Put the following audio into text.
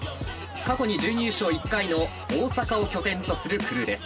過去に準優勝１回の大阪を拠点とするクルーです。